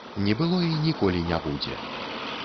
Не было і ніколі не будзе.